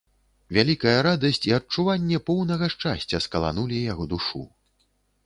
Вялікая радасць і адчуванне поўнага шчасця скаланулі яго душу.